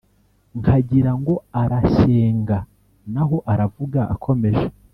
Nkagira ngo arashyengaNaho aravuga akomeje